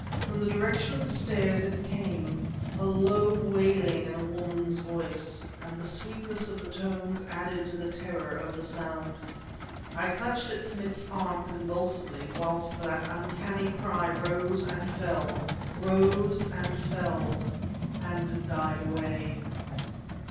From the direction of the stairs it came a low wailing in a woman's voice; and the sweetness of the tones added to the terror of the sound. I clutched at Smith's arm convulsively whilst that uncanny cry rose and fell rose and fell and died away.